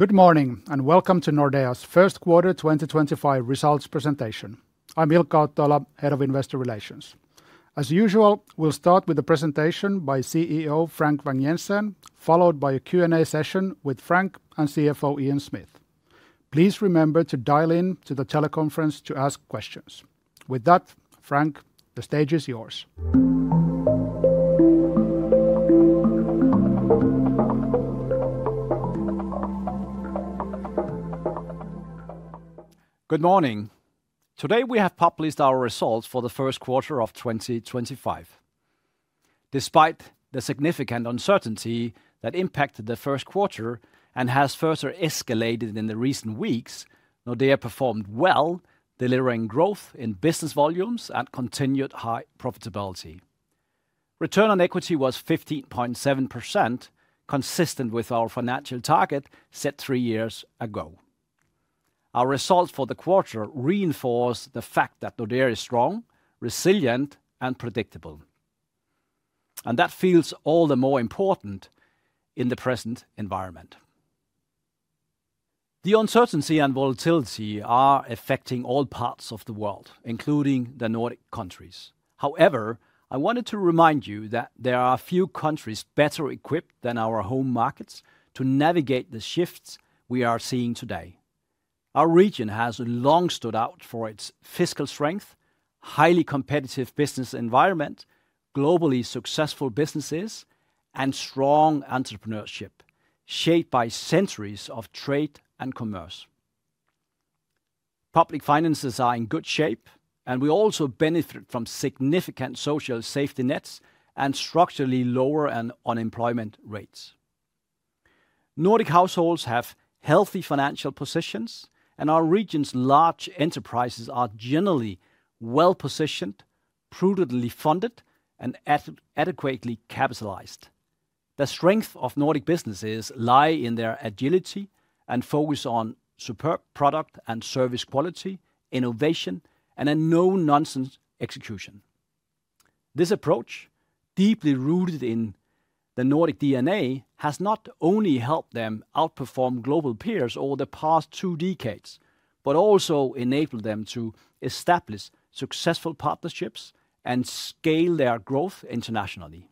Good morning and welcome to Nordea's First Quarter 2025 Results presentation. I'm Ilkka Ottola, Head of Investor Relations. As usual, we'll start with a presentation by CEO Frank Vang-Jensen, followed by a Q&A session with Frank and CFO Ian Smith. Please remember to dial in to the teleconference to ask questions. With that, Frank, the stage is yours. Good morning. Today we have published our results for the first quarter of 2025. Despite the significant uncertainty that impacted the first quarter and has further escalated in the recent weeks, Nordea performed well, delivering growth in business volumes and continued high profitability. Return on equity was 15.7%, consistent with our financial target set three years ago. Our results for the quarter reinforce the fact that Nordea is strong, resilient, and predictable, and that feels all the more important in the present environment. The uncertainty and volatility are affecting all parts of the world, including the Nordic countries. However, I wanted to remind you that there are few countries better equipped than our home markets to navigate the shifts we are seeing today. Our region has long stood out for its fiscal strength, highly competitive business environment, globally successful businesses, and strong entrepreneurship shaped by centuries of trade and commerce. Public finances are in good shape, and we also benefit from significant social safety nets and structurally lower unemployment rates. Nordic households have healthy financial positions, and our region's large enterprises are generally well-positioned, prudently funded, and adequately capitalized. The strength of Nordic businesses lies in their agility and focus on superb product and service quality, innovation, and a no-nonsense execution. This approach, deeply rooted in the Nordic DNA, has not only helped them outperform global peers over the past two decades but also enabled them to establish successful partnerships and scale their growth internationally.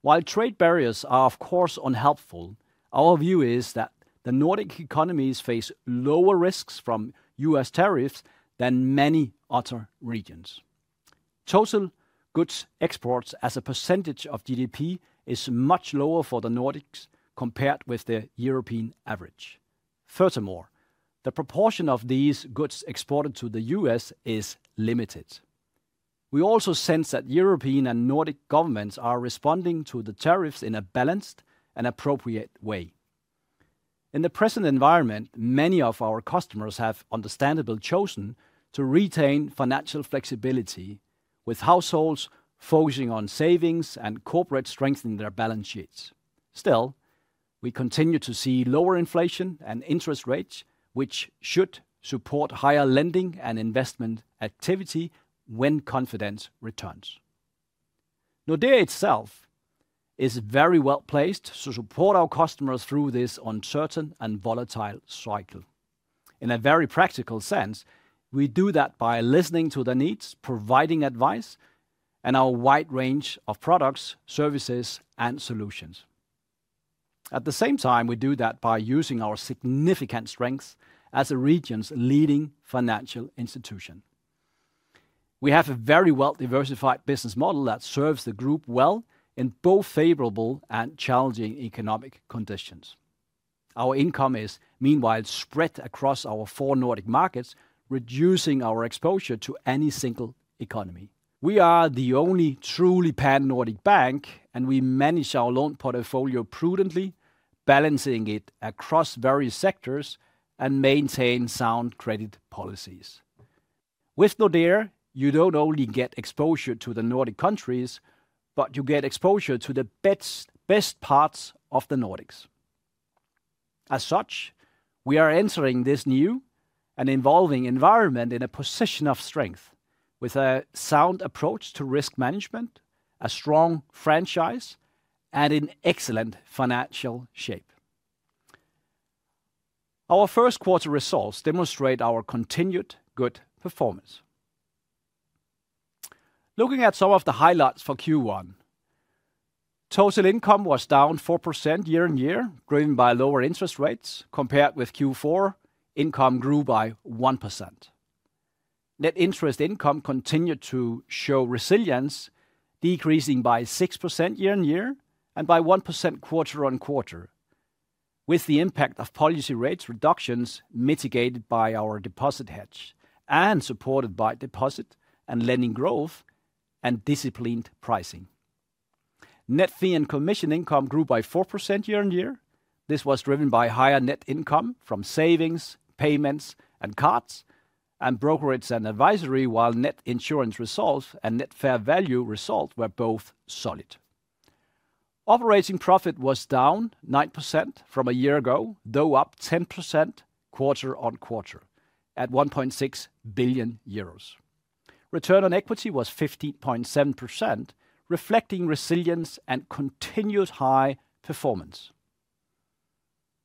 While trade barriers are, of course, unhelpful, our view is that the Nordic economies face lower risks from U.S. tariffs than many other regions. Total goods exports as a percentage of GDP is much lower for the Nordics compared with the European average. Furthermore, the proportion of these goods exported to the U.S. is limited. We also sense that European and Nordic governments are responding to the tariffs in a balanced and appropriate way. In the present environment, many of our customers have understandably chosen to retain financial flexibility, with households focusing on savings and corporates strengthening their balance sheets. Still, we continue to see lower inflation and interest rates, which should support higher lending and investment activity when confidence returns. Nordea itself is very well placed to support our customers through this uncertain and volatile cycle. In a very practical sense, we do that by listening to their needs, providing advice, and our wide range of products, services, and solutions. At the same time, we do that by using our significant strength as the region's leading financial institution. We have a very well-diversified business model that serves the group well in both favorable and challenging economic conditions. Our income is, meanwhile, spread across our four Nordic markets, reducing our exposure to any single economy. We are the only truly Pan-Nordic bank, and we manage our loan portfolio prudently, balancing it across various sectors and maintaining sound credit policies. With Nordea, you do not only get exposure to the Nordic countries, but you get exposure to the best parts of the Nordics. As such, we are entering this new and evolving environment in a position of strength, with a sound approach to risk management, a strong franchise, and in excellent financial shape. Our first quarter results demonstrate our continued good performance. Looking at some of the highlights for Q1, total income was down 4% year-on-year, driven by lower interest rates. Compared with Q4, income grew by 1%. Net interest income continued to show resilience, decreasing by 6% year-on-year and by 1% quarter-on-quarter, with the impact of policy rate reductions mitigated by our deposit hedge and supported by deposit and lending growth and disciplined pricing. Net fee and commission income grew by 4% year-on-year. This was driven by higher net income from savings, payments, and cards, and brokerage and advisory, while net insurance results and net fair value results were both solid. Operating profit was down 9% from a year ago, though up 10% quarter-on-quarter at 1.6 billion euros. Return on equity was 15.7%, reflecting resilience and continued high performance.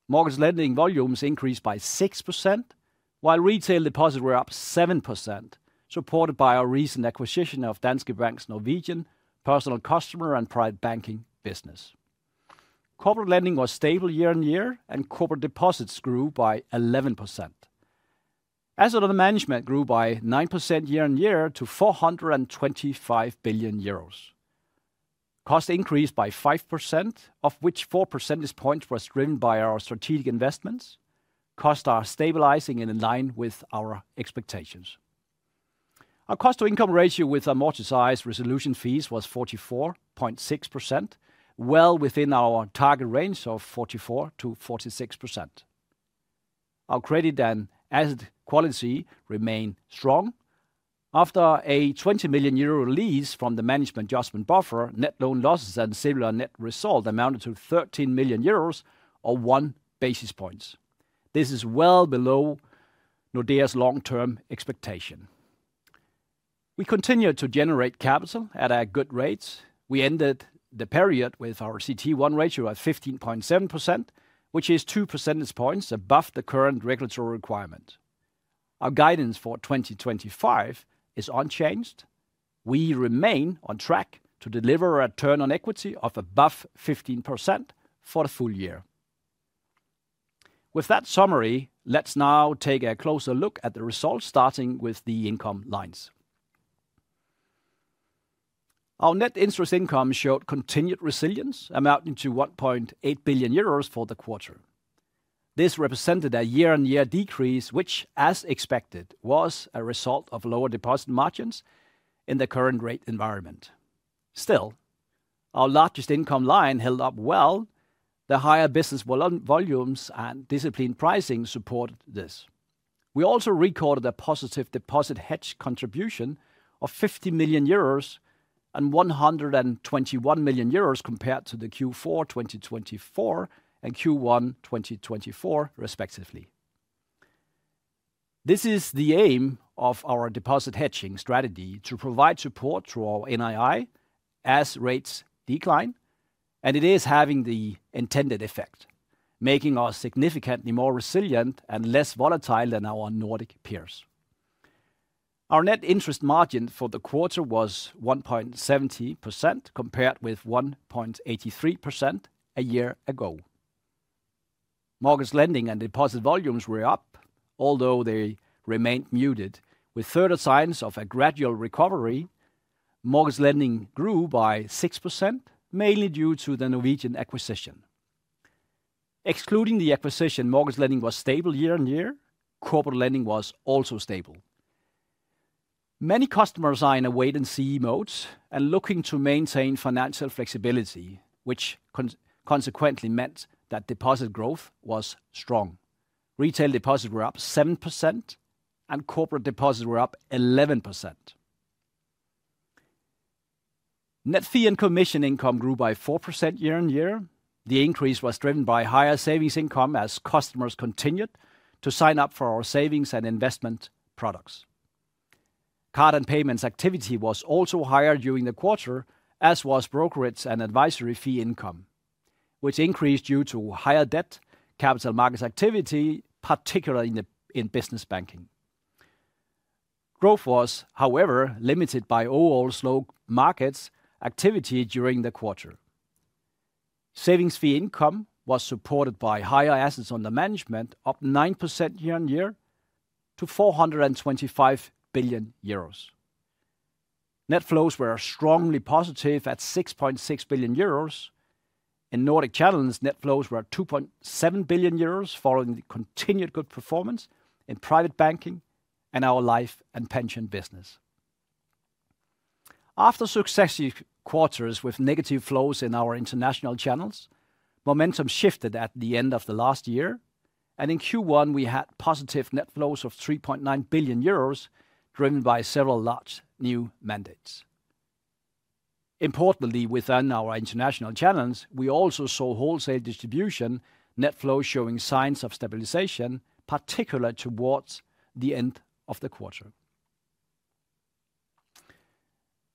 Mortgage lending volumes increased by 6%, while retail deposits were up 7%, supported by our recent acquisition of Danske Bank's Norwegian personal customer and private banking business. Corporate lending was stable year-on-year, and corporate deposits grew by 11%. Assets under management grew by 9% year-on-year to 425 billion euros. Costs increased by 5%, of which 4 percentage points were driven by our strategic investments. Costs are stabilizing in line with our expectations. Our cost-to-income ratio with amortized resolution fees was 44.6%, well within our target range of 44%-46%. Our credit and asset quality remain strong. After a 20 million euro lease from the management adjustment buffer, net loan losses and similar net result amounted to 13 million euros or one basis point. This is well below Nordea's long-term expectation. We continue to generate capital at our good rates. We ended the period with our CET1 ratio at 15.7%, which is 2 percentage points above the current regulatory requirement. Our guidance for 2025 is unchanged. We remain on track to deliver a return on equity of above 15% for the full year. With that summary, let's now take a closer look at the results, starting with the income lines. Our net interest income showed continued resilience, amounting to 1.8 billion euros for the quarter. This represented a year-on-year decrease, which, as expected, was a result of lower deposit margins in the current rate environment. Still, our largest income line held up well. The higher business volumes and disciplined pricing supported this. We also recorded a positive deposit hedge contribution of 50 million euros and 121 million euros compared to the Q4 2024 and Q1 2024, respectively. This is the aim of our deposit hedging strategy: to provide support through our NII as rates decline, and it is having the intended effect, making us significantly more resilient and less volatile than our Nordic peers. Our net interest margin for the quarter was 1.70%, compared with 1.83% a year ago. Mortgage lending and deposit volumes were up, although they remained muted. With further signs of a gradual recovery, mortgage lending grew by 6%, mainly due to the Norwegian acquisition. Excluding the acquisition, mortgage lending was stable year-on-year. Corporate lending was also stable. Many customers are in a wait-and-see mode and looking to maintain financial flexibility, which consequently meant that deposit growth was strong. Retail deposits were up 7%, and corporate deposits were up 11%. Net fee and commission income grew by 4% year-on-year. The increase was driven by higher savings income as customers continued to sign up for our savings and investment products. Card and payments activity was also higher during the quarter, as was brokerage and advisory fee income, which increased due to higher debt capital markets activity, particularly in business banking. Growth was, however, limited by overall slow markets activity during the quarter. Savings fee income was supported by higher assets under management, up 9% year-on-year to 425 billion euros. Net flows were strongly positive at 6.6 billion euros. In Nordic channels, net flows were 2.7 billion euros, following the continued good performance in private banking and our life and pension business. After successive quarters with negative flows in our international channels, momentum shifted at the end of the last year, and in Q1, we had positive net flows of 3.9 billion euros, driven by several large new mandates. Importantly, within our international channels, we also saw wholesale distribution net flows showing signs of stabilization, particularly towards the end of the quarter.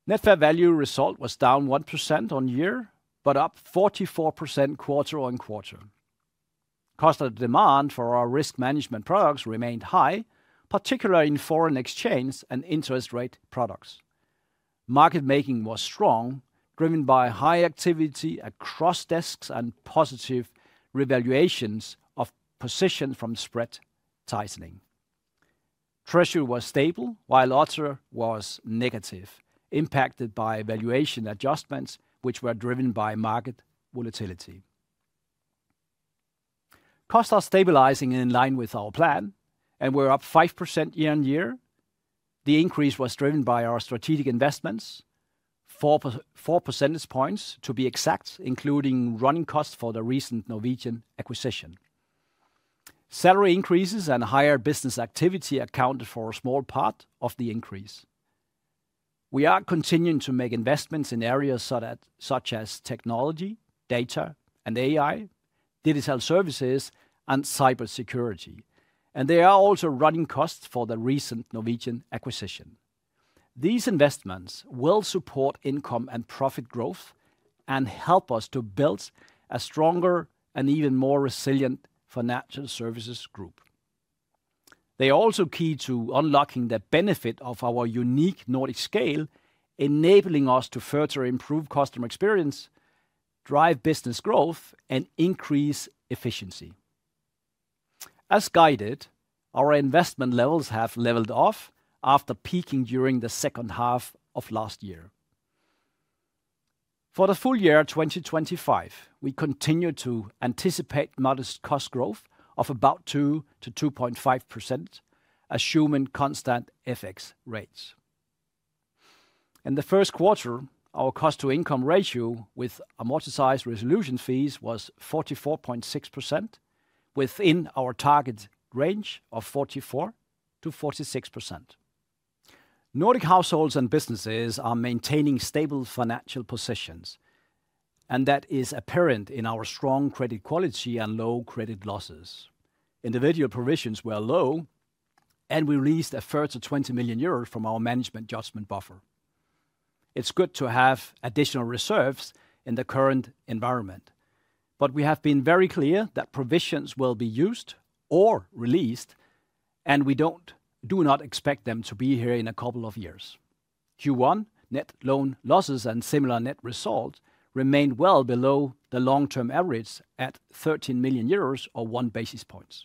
Net fair value result was down 1% on year but up 44% quarter-on-quarter. Customer demand for our risk management products remained high, particularly in foreign exchange and interest rate products. Market making was strong, driven by high activity across desks and positive revaluations of positions from spread tightening. Treasury was stable, while other was negative, impacted by valuation adjustments, which were driven by market volatility. Costs are stabilizing in line with our plan, and we're up 5% year-on-year. The increase was driven by our strategic investments, 4 percentage points to be exact, including running costs for the recent Norwegian acquisition. Salary increases and higher business activity accounted for a small part of the increase. We are continuing to make investments in areas such as technology, data, and AI, digital services, and cybersecurity, and there are also running costs for the recent Norwegian acquisition. These investments will support income and profit growth and help us to build a stronger and even more resilient financial services group. They are also key to unlocking the benefit of our unique Nordic scale, enabling us to further improve customer experience, drive business growth, and increase efficiency. As guided, our investment levels have leveled off after peaking during the second half of last year. For the full year 2025, we continue to anticipate modest cost growth of about 2%-2.5%, assuming constant FX rates. In the first quarter, our cost-to-income ratio with amortized resolution fees was 44.6%, within our target range of 44%-46%. Nordic households and businesses are maintaining stable financial positions, and that is apparent in our strong credit quality and low credit losses. Individual provisions were low, and we released a further 20 million euros from our management adjustment buffer. It's good to have additional reserves in the current environment, but we have been very clear that provisions will be used or released, and we do not expect them to be here in a couple of years. Q1 net loan losses and similar net result remain well below the long-term average at 13 million euros or one basis point.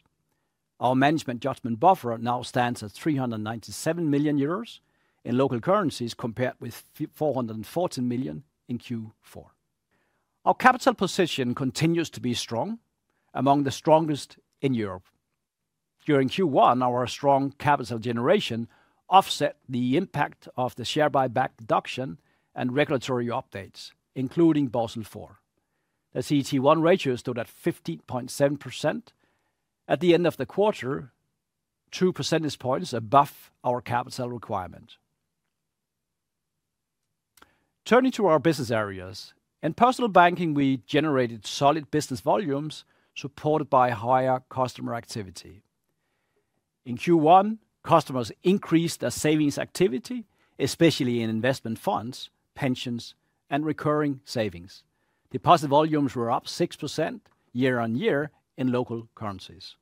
Our management adjustment buffer now stands at 397 million euros in local currencies, compared with 414 million in Q4. Our capital position continues to be strong, among the strongest in Europe. During Q1, our strong capital generation offset the impact of the share buyback deduction and regulatory updates, including Basel IV. The CET1 ratio stood at 15.7%. At the end of the quarter, 2 percentage points above our capital requirement. Turning to our business areas, in personal banking, we generated solid business volumes supported by higher customer activity. In Q1, customers increased their savings activity, especially in investment funds, pensions, and recurring savings. Deposit volumes were up 6% year-on-year in local currencies.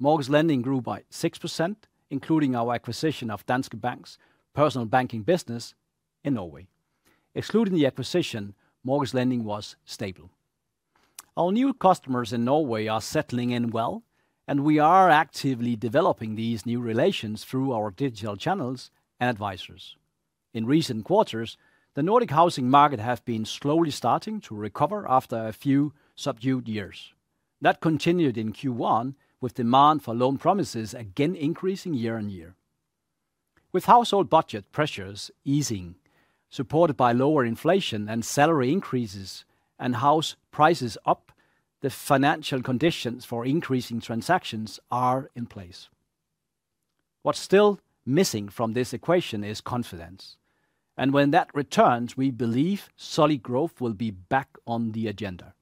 Mortgage lending grew by 6%, including our acquisition of Danske Bank's personal banking business in Norway. Excluding the acquisition, mortgage lending was stable. Our new customers in Norway are settling in well, and we are actively developing these new relations through our digital channels and advisors. In recent quarters, the Nordic housing market has been slowly starting to recover after a few subdued years. That continued in Q1, with demand for loan promises again increasing year-on-year. With household budget pressures easing, supported by lower inflation and salary increases, and house prices up, the financial conditions for increasing transactions are in place. What is still missing from this equation is confidence, and when that returns, we believe solid growth will be back on the agenda.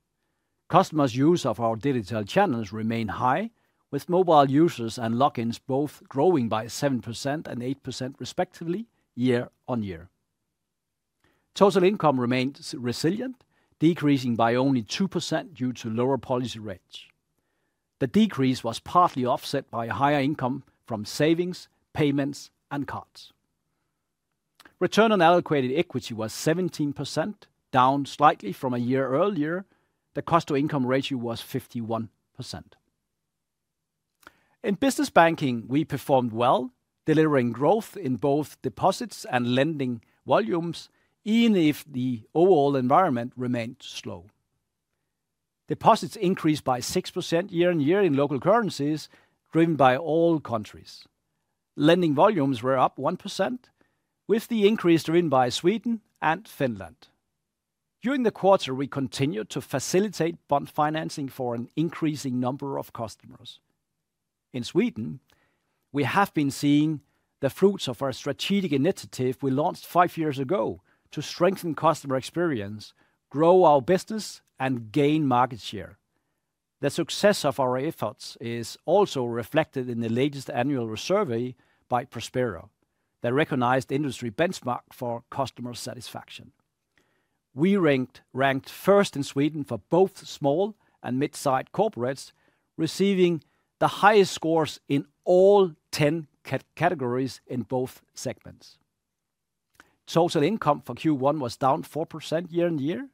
Customers' use of our digital channels remains high, with mobile users and lock-ins both growing by 7% and 8%, respectively, year-on-year. Total income remains resilient, decreasing by only 2% due to lower policy rates. The decrease was partly offset by higher income from savings, payments, and cards. Return on allocated equity was 17%, down slightly from a year earlier. The cost-to-income ratio was 51%. In business banking, we performed well, delivering growth in both deposits and lending volumes, even if the overall environment remained slow. Deposits increased by 6% year-on-year in local currencies, driven by all countries. Lending volumes were up 1%, with the increase driven by Sweden and Finland. During the quarter, we continued to facilitate bond financing for an increasing number of customers. In Sweden, we have been seeing the fruits of our strategic initiative we launched five years ago to strengthen customer experience, grow our business, and gain market share. The success of our efforts is also reflected in the latest annual survey by Prospera that recognized the industry benchmark for customer satisfaction. We ranked first in Sweden for both small and mid-sized corporates, receiving the highest scores in all ten categories in both segments. Total income for Q1 was down 4% year-on-year,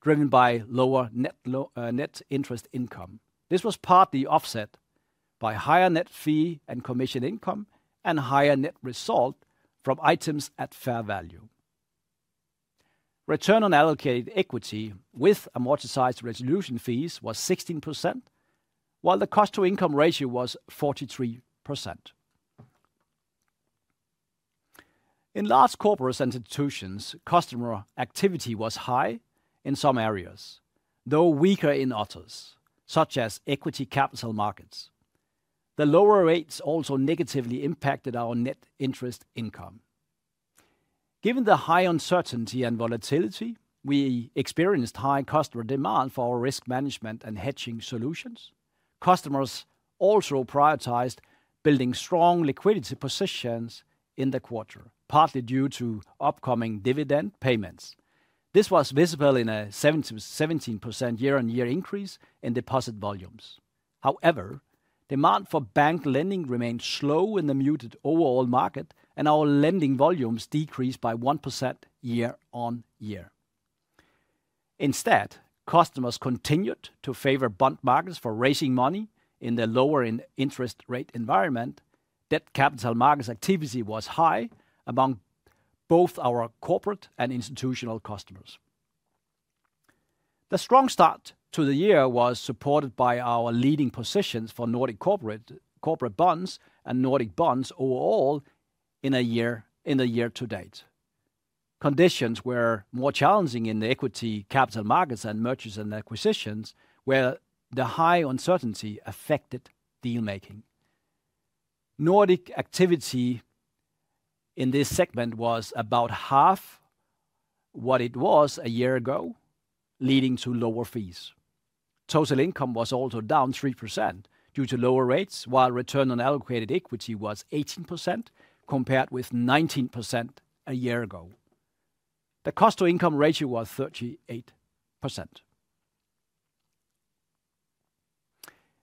driven by lower net interest income. This was partly offset by higher net fee and commission income and higher net result from items at fair value. Return on allocated equity with amortized resolution fees was 16%, while the cost-to-income ratio was 43%. In large corporate institutions, customer activity was high in some areas, though weaker in others, such as equity capital markets. The lower rates also negatively impacted our net interest income. Given the high uncertainty and volatility, we experienced high customer demand for our risk management and hedging solutions. Customers also prioritized building strong liquidity positions in the quarter, partly due to upcoming dividend payments. This was visible in a 17% year-on-year increase in deposit volumes. However, demand for bank lending remained slow in the muted overall market, and our lending volumes decreased by 1% year-on-year. Instead, customers continued to favor bond markets for raising money in the lower interest rate environment. Debt capital markets activity was high among both our corporate and institutional customers. The strong start to the year was supported by our leading positions for Nordic corporate bonds and Nordic bonds overall in the year to date. Conditions were more challenging in the equity capital markets and mergers and acquisitions, where the high uncertainty affected deal-making. Nordic activity in this segment was about half what it was a year ago, leading to lower fees. Total income was also down 3% due to lower rates, while return on allocated equity was 18%, compared with 19% a year ago. The cost-to-income ratio was 38%.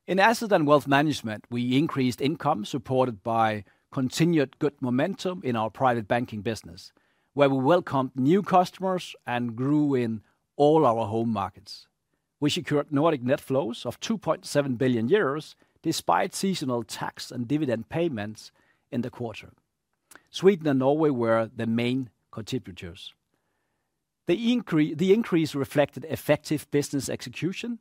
In asset and wealth management, we increased income supported by continued good momentum in our private banking business, where we welcomed new customers and grew in all our home markets. We secured Nordic net flows of 2.7 billion euros, despite seasonal tax and dividend payments in the quarter. Sweden and Norway were the main contributors. The increase reflected effective business execution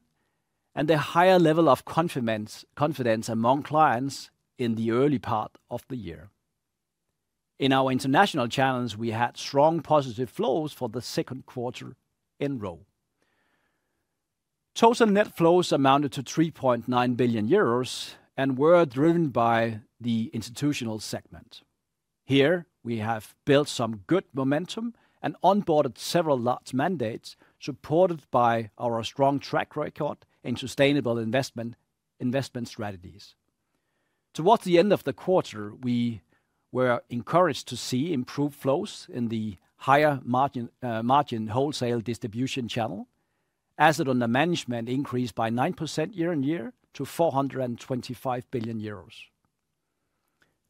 and the higher level of confidence among clients in the early part of the year. In our international channels, we had strong positive flows for the second quarter in a row. Total net flows amounted to 3.9 billion euros and were driven by the institutional segment. Here, we have built some good momentum and onboarded several large mandates, supported by our strong track record in sustainable investment strategies. Towards the end of the quarter, we were encouraged to see improved flows in the higher margin wholesale distribution channel. Assets under management increased by 9% year-on-year to 425 billion euros.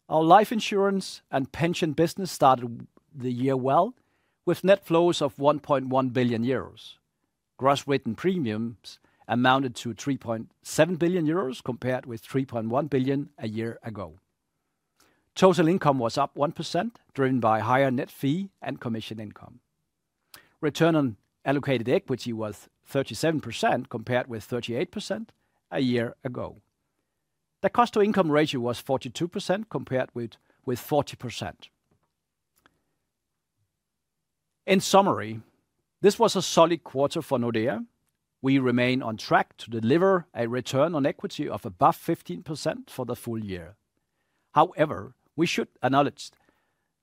Our life insurance and pension business started the year well with net flows of 1.1 billion euros. Gross written premiums amounted to 3.7 billion euros, compared with 3.1 billion a year ago. Total income was up 1%, driven by higher net fee and commission income. Return on allocated equity was 37%, compared with 38% a year ago. The cost-to-income ratio was 42%, compared with 40%. In summary, this was a solid quarter for Nordea. We remain on track to deliver a return on equity of above 15% for the full year. However, we should acknowledge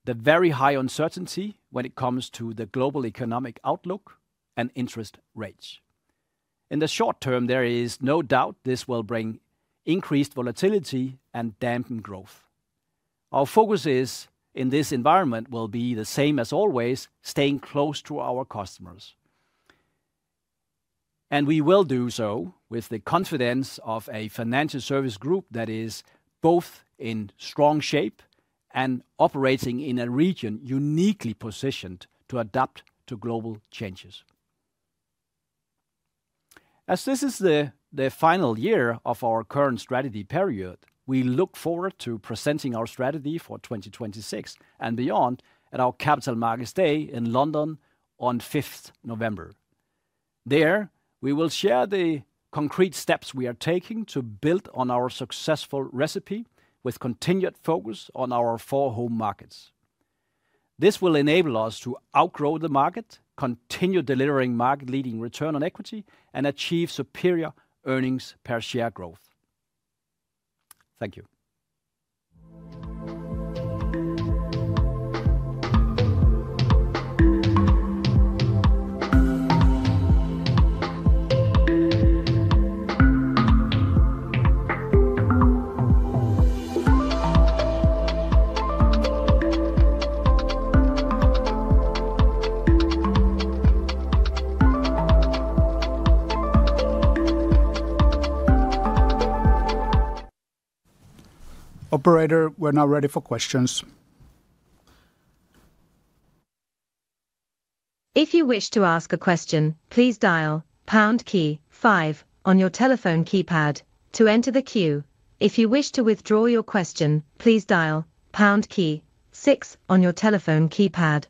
the very high uncertainty when it comes to the global economic outlook and interest rates. In the short term, there is no doubt this will bring increased volatility and dampened growth. Our focus in this environment will be the same as always: staying close to our customers. We will do so with the confidence of a financial service group that is both in strong shape and operating in a region uniquely positioned to adapt to global changes. As this is the final year of our current strategy period, we look forward to presenting our strategy for 2026 and beyond at our Capital Markets Day in London on 5th November. There, we will share the concrete steps we are taking to build on our successful recipe with continued focus on our four home markets. This will enable us to outgrow the market, continue delivering market-leading return on equity, and achieve superior earnings per share growth. Thank you. Operator, we're now ready for questions. If you wish to ask a question, please dial pound 5 on your telephone keypad to enter the queue. If you wish to withdraw your question, please dial pound 6 on your telephone keypad.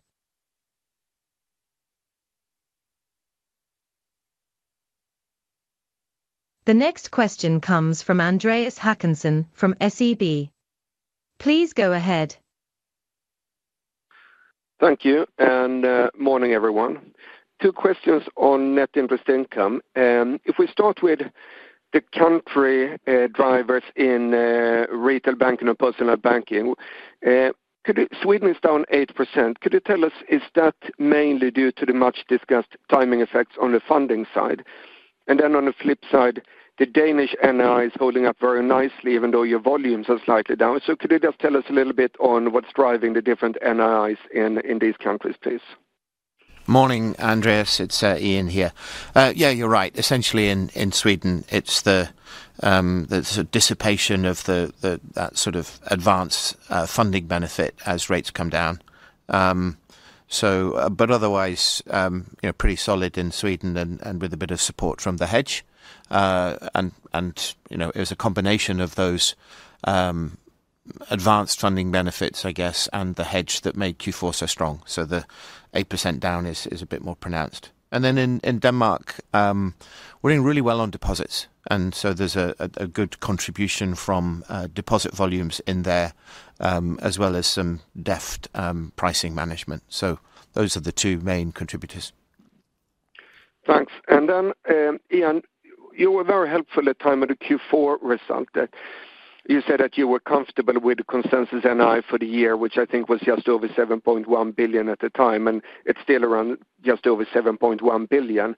The next question comes from Andreas Håkansson from SEB. Please go ahead. Thank you and morning, everyone. Two questions on net interest income. If we start with the country drivers in retail banking and personal banking, Sweden is down 8%. Could you tell us, is that mainly due to the much-discussed timing effects on the funding side? On the flip side, the Danish NI is holding up very nicely, even though your volumes are slightly down. Could you just tell us a little bit on what's driving the different NIs in these countries, please? Morning, Andreas. It's Ian here. Yeah, you're right. Essentially, in Sweden, it's the dissipation of that sort of advance funding benefit as rates come down. Otherwise, pretty solid in Sweden and with a bit of support from the hedge. It was a combination of those advanced funding benefits, I guess, and the hedge that made Q4 so strong. The 8% down is a bit more pronounced. In Denmark, we are doing really well on deposits. There is a good contribution from deposit volumes in there, as well as some deft pricing management. Those are the two main contributors. Thanks. Ian, you were very helpful at the time of the Q4 result. You said that you were comfortable with the consensus NI for the year, which I think was just over 7.1 billion at the time, and it is still around just over 7.1 billion.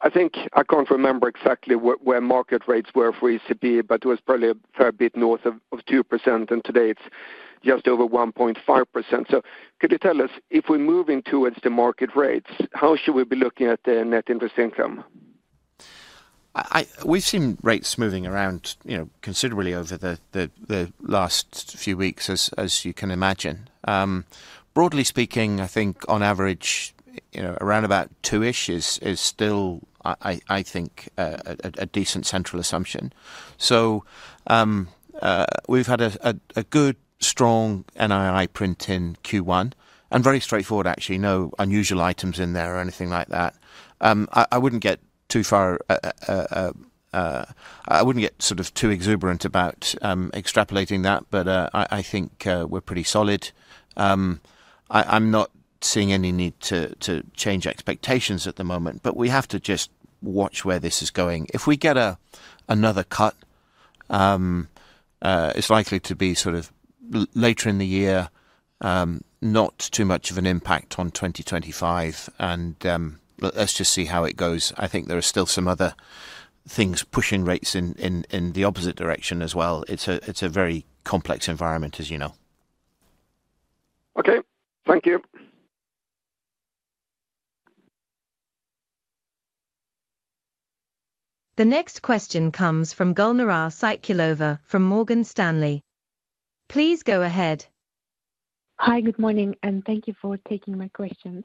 I think I cannot remember exactly where market rates were for ECB, but it was probably a fair bit north of 2%, and today it is just over 1.5%. Could you tell us, if we are moving towards the market rates, how should we be looking at the net interest income? We have seen rates moving around considerably over the last few weeks, as you can imagine. Broadly speaking, I think on average, around about two-ish is still, I think, a decent central assumption. We have had a good, strong NI print in Q1 and very straightforward, actually. No unusual items in there or anything like that. I would not get too far; I would not get sort of too exuberant about extrapolating that, but I think we are pretty solid. I am not seeing any need to change expectations at the moment, but we have to just watch where this is going. If we get another cut, it is likely to be sort of later in the year, not too much of an impact on 2025. Let us just see how it goes. I think there are still some other things pushing rates in the opposite direction as well. It's a very complex environment, as you know. Okay. Thank you. The next question comes from Gulnara Saitkulova from Morgan Stanley. Please go ahead. Hi, good morning, and thank you for taking my questions.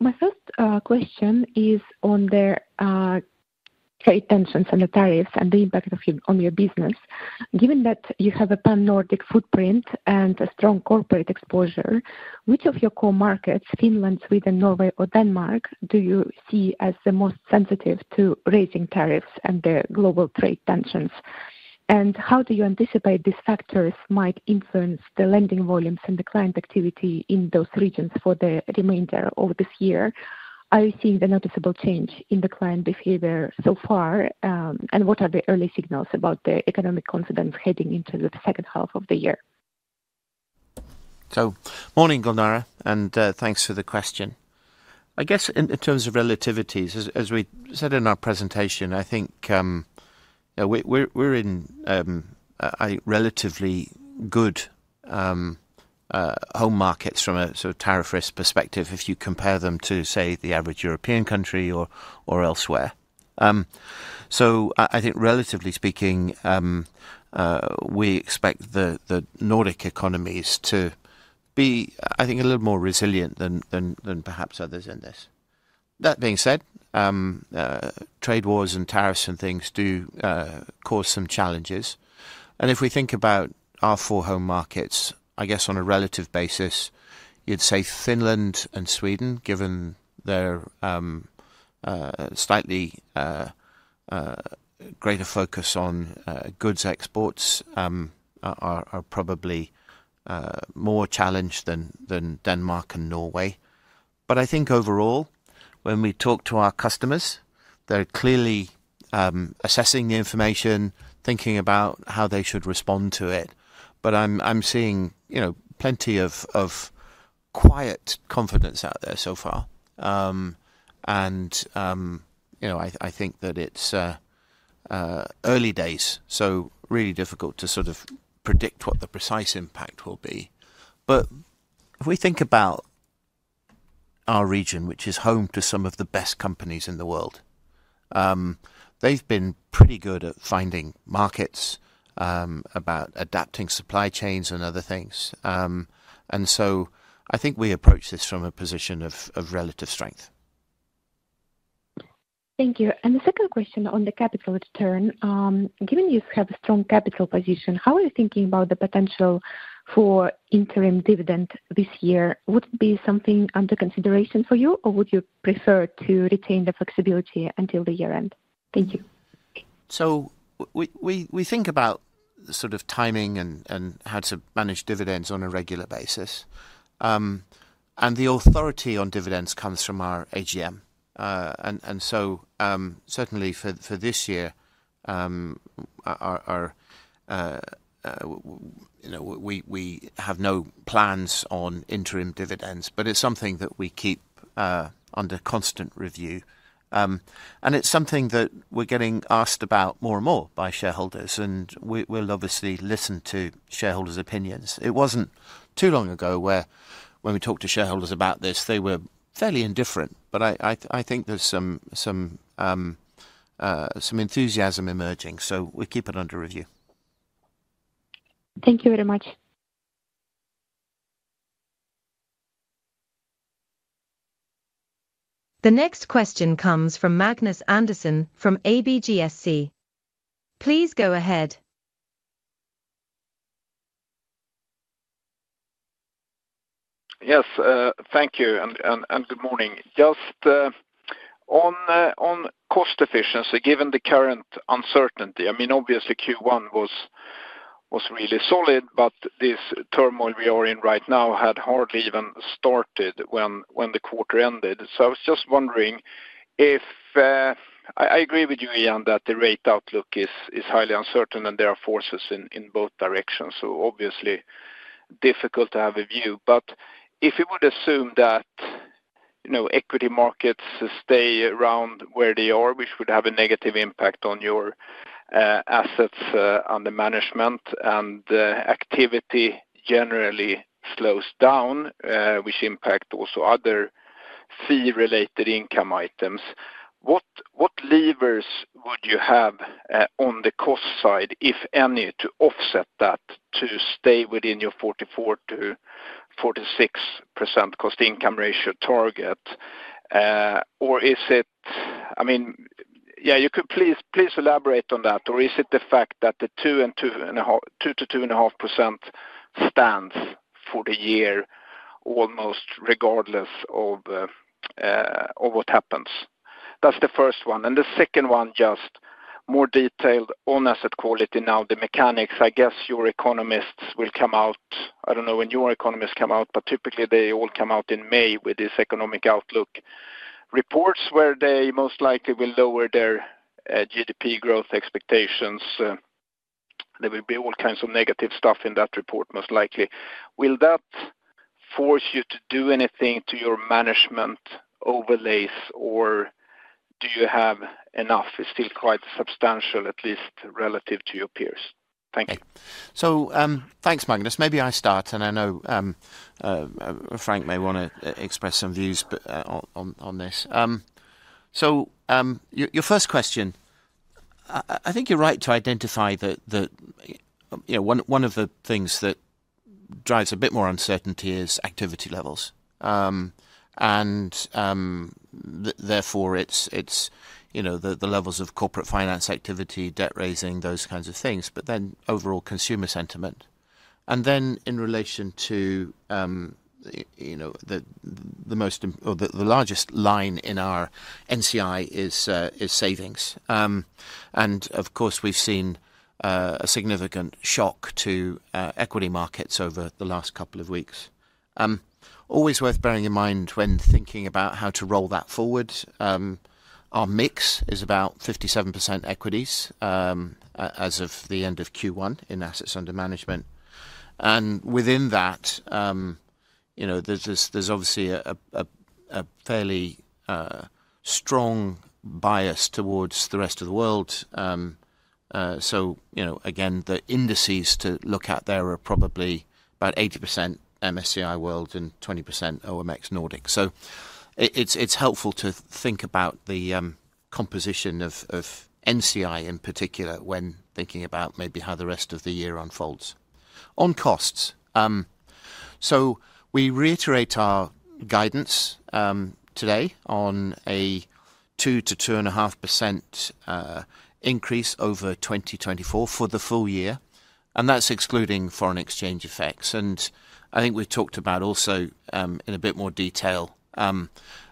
My first question is on the trade tensions and the tariffs and the impact on your business. Given that you have a Pan-Nordic footprint and a strong corporate exposure, which of your core markets, Finland, Sweden, Norway, or Denmark, do you see as the most sensitive to raising tariffs and the global trade tensions? How do you anticipate these factors might influence the lending volumes and the client activity in those regions for the remainder of this year? Are you seeing a noticeable change in the client behavior so far? What are the early signals about the economic confidence heading into the second half of the year? Morning, Gulnara, and thanks for the question. I guess in terms of relativities, as we said in our presentation, I think we're in a relatively good home market from a sort of tariff risk perspective if you compare them to, say, the average European country or elsewhere. I think, relatively speaking, we expect the Nordic economies to be, I think, a little more resilient than perhaps others in this. That being said, trade wars and tariffs and things do cause some challenges. If we think about our four home markets, I guess on a relative basis, you'd say Finland and Sweden, given their slightly greater focus on goods exports, are probably more challenged than Denmark and Norway. I think overall, when we talk to our customers, they're clearly assessing the information, thinking about how they should respond to it. I'm seeing plenty of quiet confidence out there so far. I think that it's early days, so really difficult to sort of predict what the precise impact will be. If we think about our region, which is home to some of the best companies in the world, they've been pretty good at finding markets, at adapting supply chains and other things. I think we approach this from a position of relative strength. Thank you. The second question on the capital return, given you have a strong capital position, how are you thinking about the potential for interim dividend this year? Would it be something under consideration for you, or would you prefer to retain the flexibility until the year end? Thank you. We think about the sort of timing and how to manage dividends on a regular basis. The authority on dividends comes from our AGM. Certainly for this year, we have no plans on interim dividends, but it is something that we keep under constant review. It is something that we are getting asked about more and more by shareholders. We will obviously listen to shareholders' opinions. It was not too long ago when we talked to shareholders about this, they were fairly indifferent. I think there is some enthusiasm emerging. We keep it under review. Thank you very much. The next question comes from Magnus Andersson from ABG SC. Please go ahead. Yes, thank you. Good morning. Just on cost efficiency, given the current uncertainty, I mean, obviously Q1 was really solid, but this turmoil we are in right now had hardly even started when the quarter ended. I was just wondering if I agree with you, Ian, that the rate outlook is highly uncertain and there are forces in both directions. Obviously difficult to have a view. If you would assume that equity markets stay around where they are, which would have a negative impact on your assets under management and activity generally slows down, which impacts also other fee-related income items, what levers would you have on the cost side, if any, to offset that to stay within your 44-46% cost income ratio target? I mean, yeah, you could please elaborate on that. Is it the fact that the 2-2.5% stands for the year almost regardless of what happens? That's the first one. The second one, just more detailed on asset quality now, the mechanics. I guess your economists will come out. I don't know when your economists come out, but typically they all come out in May with these economic outlook reports where they most likely will lower their GDP growth expectations. There will be all kinds of negative stuff in that report, most likely. Will that force you to do anything to your management overlays, or do you have enough? It's still quite substantial, at least relative to your peers. Thank you. Thanks, Magnus. Maybe I start, and I know Frank may want to express some views on this. Your first question, I think you're right to identify that one of the things that drives a bit more uncertainty is activity levels. Therefore, it's the levels of corporate finance activity, debt raising, those kinds of things, but then overall consumer sentiment. In relation to the most or the largest line in our NCI is savings. Of course, we've seen a significant shock to equity markets over the last couple of weeks. Always worth bearing in mind when thinking about how to roll that forward. Our mix is about 57% equities as of the end of Q1 in assets under management. Within that, there's obviously a fairly strong bias towards the rest of the world. The indices to look at there are probably about 80% MSCI World and 20% OMX Nordic. It is helpful to think about the composition of NCI in particular when thinking about maybe how the rest of the year unfolds. On costs, we reiterate our guidance today on a 2%-2.5% increase over 2024 for the full year. That is excluding foreign exchange effects. I think we talked about also in a bit more detail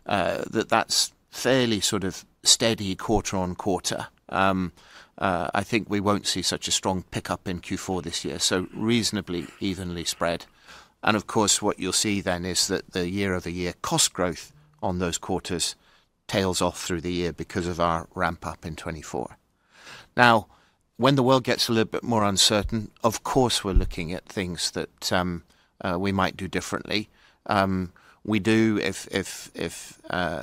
that that is fairly sort of steady quarter on quarter. I think we will not see such a strong pickup in Q4 this year, so reasonably evenly spread. Of course, what you will see then is that the year-over-year cost growth on those quarters tails off through the year because of our ramp-up in 2024. Now, when the world gets a little bit more uncertain, of course, we are looking at things that we might do differently. We do, if the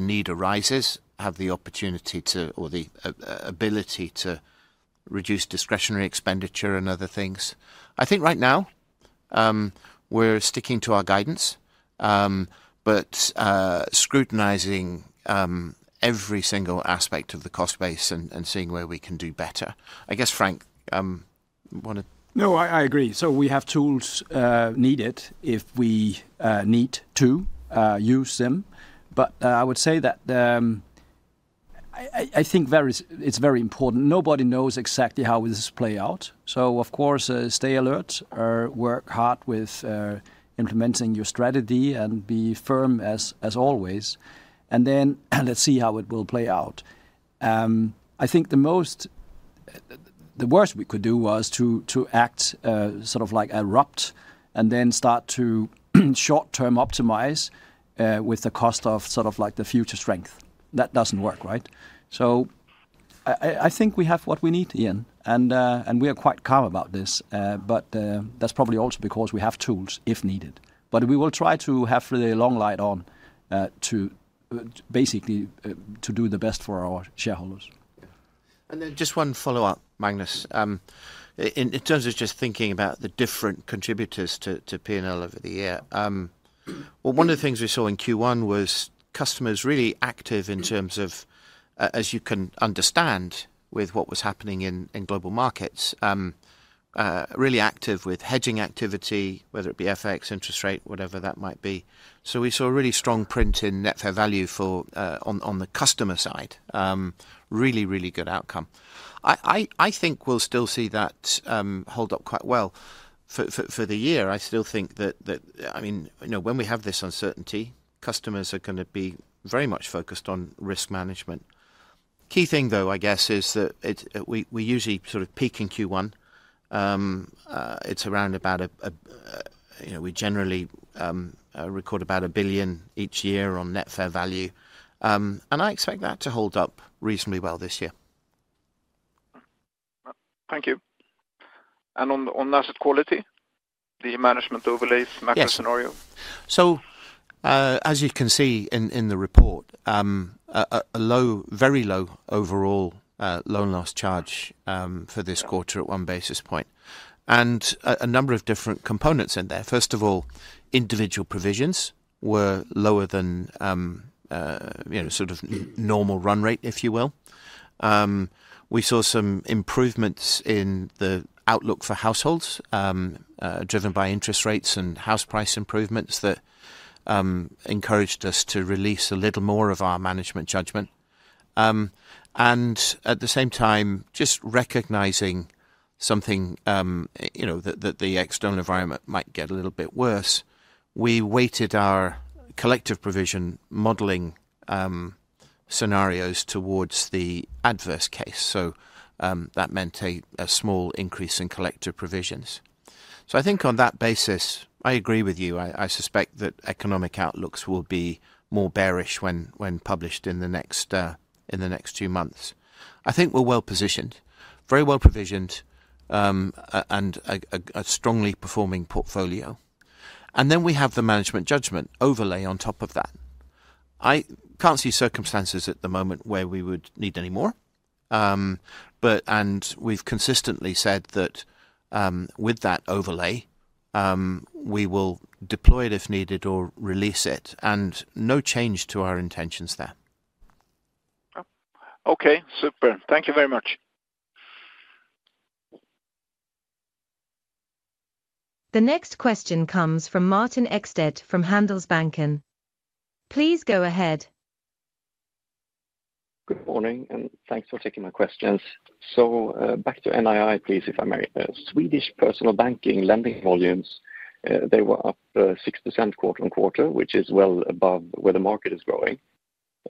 need arises, have the opportunity to or the ability to reduce discretionary expenditure and other things. I think right now we're sticking to our guidance, but scrutinizing every single aspect of the cost base and seeing where we can do better. I guess, Frank. You know what? No, I agree. We have tools needed if we need to use them. I would say that I think it's very important. Nobody knows exactly how this will play out. Of course, stay alert, work hard with implementing your strategy, and be firm as always. Let's see how it will play out. I think the worst we could do was to act sort of like abrupt and then start to short-term optimize with the cost of sort of like the future strength. That doesn't work, right? I think we have what we need, Ian, and we are quite calm about this. That is probably also because we have tools if needed. We will try to have the long light on to basically do the best for our shareholders. Just one follow-up, Magnus. In terms of just thinking about the different contributors to P&L over the year, one of the things we saw in Q1 was customers really active in terms of, as you can understand, with what was happening in global markets, really active with hedging activity, whether it be FX, interest rate, whatever that might be. We saw a really strong print in net fair value for on the customer side, really, really good outcome. I think we will still see that hold up quite well for the year. I still think that, I mean, when we have this uncertainty, customers are going to be very much focused on risk management. Key thing, though, I guess, is that we usually sort of peak in Q1. It's around about, we generally record about 1 billion each year on net fair value. I expect that to hold up reasonably well this year. Thank you. On asset quality, the management overlays, macro scenario? As you can see in the report, a very low overall loan loss charge for this quarter at one basis point. A number of different components in there. First of all, individual provisions were lower than sort of normal run rate, if you will. We saw some improvements in the outlook for households driven by interest rates and house price improvements that encouraged us to release a little more of our management judgment. At the same time, just recognizing something that the external environment might get a little bit worse, we weighted our collective provision modeling scenarios towards the adverse case. That meant a small increase in collective provisions. I think on that basis, I agree with you. I suspect that economic outlooks will be more bearish when published in the next few months. I think we're well positioned, very well provisioned, and a strongly performing portfolio. We have the management judgment overlay on top of that. I can't see circumstances at the moment where we would need any more. We've consistently said that with that overlay, we will deploy it if needed or release it. No change to our intentions there. Okay. Super. Thank you very much. The next question comes from Martin Ekstedt from Handelsbanken. Please go ahead. Good morning, and thanks for taking my questions. Back to NII, please, if I may. Swedish personal banking lending volumes, they were up 6% quarter-on-quarter, which is well above where the market is growing.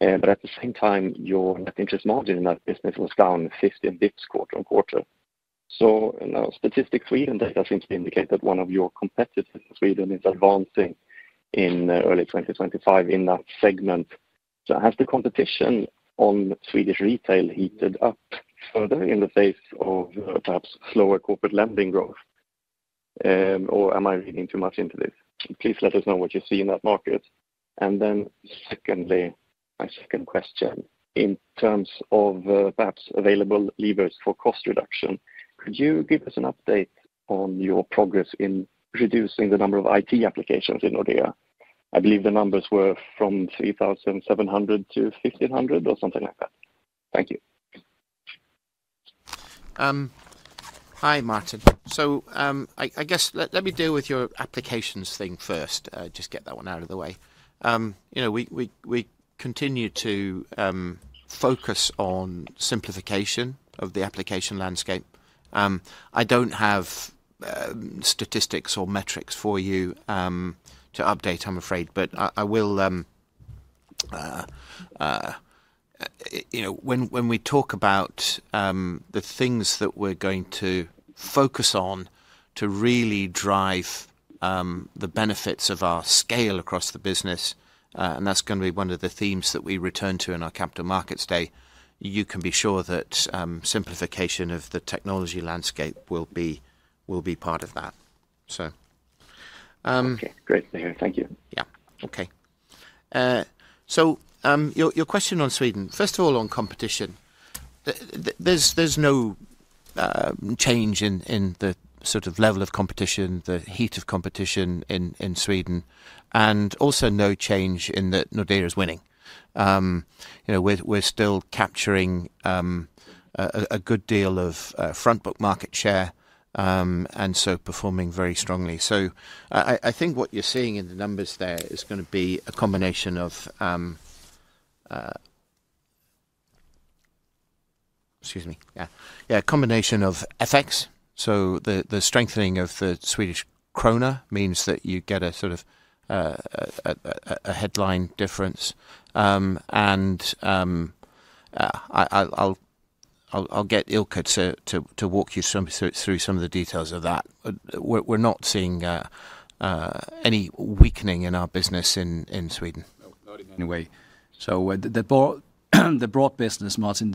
At the same time, your net interest margin in that business was down 15 basis points quarter on quarter. Statistics Sweden data seems to indicate that one of your competitors in Sweden is advancing in early 2025 in that segment. Has the competition on Swedish retail heated up further in the face of perhaps slower corporate lending growth? Or am I reading too much into this? Please let us know what you see in that market. My second question, in terms of perhaps available levers for cost reduction, could you give us an update on your progress in reducing the number of IT applications in Nordea? I believe the numbers were from 3,700-1,500 or something like that. Thank you. Hi, Martin. I guess let me deal with your applications thing first, just get that one out of the way. We continue to focus on simplification of the application landscape. I do not have statistics or metrics for you to update, I'm afraid, but I will when we talk about the things that we're going to focus on to really drive the benefits of our scale across the business, and that is going to be one of the themes that we return to in our Capital Markets Day. You can be sure that simplification of the technology landscape will be part of that. Okay. Great to hear. Thank you. Yeah. Okay. Your question on Sweden, first of all, on competition, there's no change in the sort of level of competition, the heat of competition in Sweden, and also no change in that Nordea is winning. We're still capturing a good deal of front-book market share and so performing very strongly. I think what you're seeing in the numbers there is going to be a combination of, excuse me, yeah, a combination of FX. The strengthening of the Swedish krona means that you get a sort of a headline difference. I'll get Ilkka to walk you through some of the details of that. We're not seeing any weakening in our business in Sweden anyway. The broad business, Martin,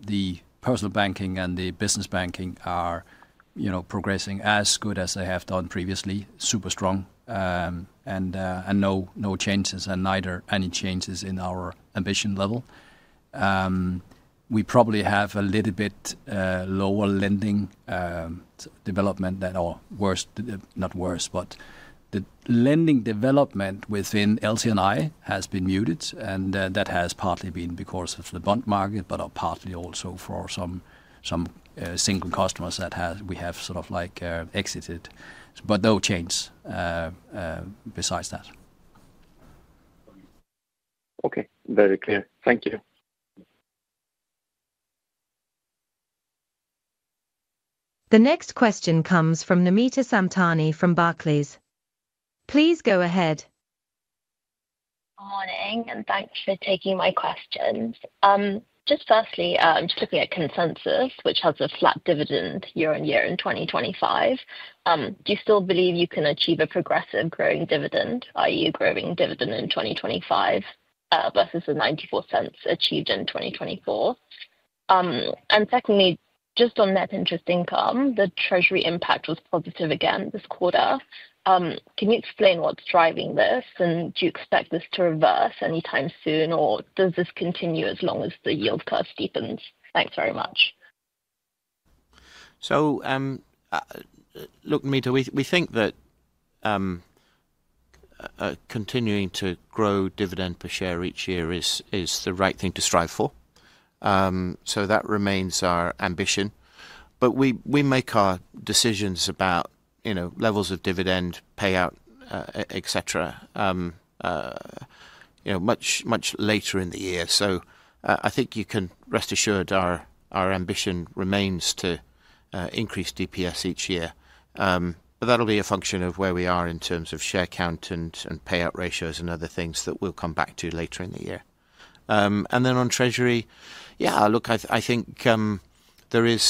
the personal banking and the business banking are progressing as good as they have done previously, super strong, and no changes and neither any changes in our ambition level. We probably have a little bit lower lending development than our worst, not worst, but the lending development within LC&I has been muted, and that has partly been because of the bond market, but partly also for some single customers that we have sort of like exited, but no change besides that. Okay. Very clear. Thank you. The next question comes from Namita Samtani from Barclays. Please go ahead. Good morning, and thanks for taking my questions. Just firstly, just looking at consensus, which has a flat dividend year on year in 2025, do you still believe you can achieve a progressive growing dividend? Are you growing dividend in 2025 versus the 0.94 achieved in 2024? And secondly, just on net interest income, the treasury impact was positive again this quarter. Can you explain what's driving this, and do you expect this to reverse anytime soon, or does this continue as long as the yield curve steepens? Thanks very much. Look, Namita, we think that continuing to grow dividend per share each year is the right thing to strive for. That remains our ambition. We make our decisions about levels of dividend, payout, etc., much later in the year. I think you can rest assured our ambition remains to increase DPS each year. That will be a function of where we are in terms of share count and payout ratios and other things that we'll come back to later in the year. On treasury, yeah, look, I think there is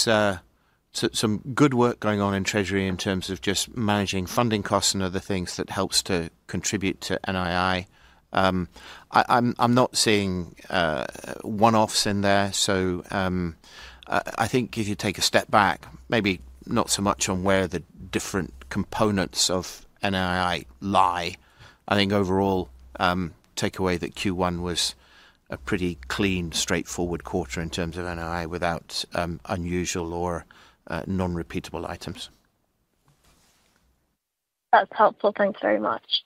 some good work going on in treasury in terms of just managing funding costs and other things that helps to contribute to NII. I'm not seeing one-offs in there. I think if you take a step back, maybe not so much on where the different components of NII lie. I think overall takeaway that Q1 was a pretty clean, straightforward quarter in terms of NII without unusual or non-repeatable items. That's helpful. Thanks very much.